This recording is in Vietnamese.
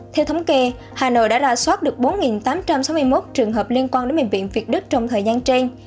theo thống kê hà nội đã ra soát được bốn tám trăm sáu mươi một trường hợp liên quan đến bệnh viện việt đức trong thời gian trên